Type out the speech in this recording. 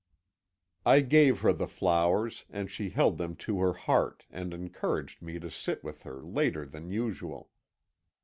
"I gave her the flowers, and she held them to her heart, and encouraged me to sit with her later than usual.